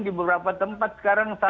di beberapa tempat sekarang